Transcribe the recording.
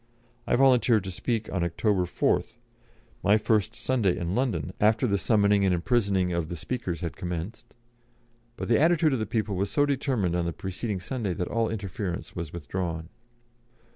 I volunteered to speak on October 4th (my first Sunday in London after the summoning and imprisoning of the speakers had commenced), but the attitude of the people was so determined on the preceding Sunday that all interference was withdrawn.